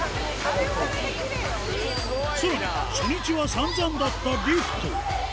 さらに、初日はさんざんだったリフト。